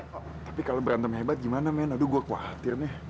tapi kalo berantemnya hebat gimana men aduh gua khawatir nih